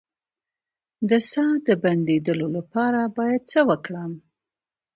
د ساه د بندیدو لپاره باید څه وکړم؟